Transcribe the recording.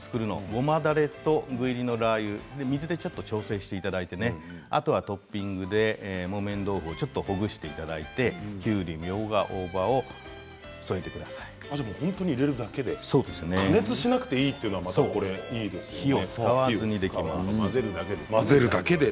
ごまだれと具入りのラーユ、水で調整していただいて、あとはトッピングで木綿豆腐をちょっとほぐしていただいてきゅうり、みょうが、大葉を加熱しなくていいというの火を使わずに、できます。